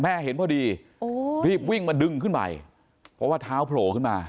เห็นพอดีรีบวิ่งมาดึงขึ้นไปเพราะว่าเท้าโผล่ขึ้นมา